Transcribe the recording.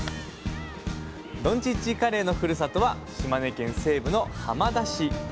どんちっちカレイのふるさとは島根県西部の浜田市。